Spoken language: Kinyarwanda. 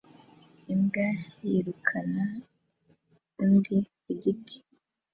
Imbwa yirukana undi ku giti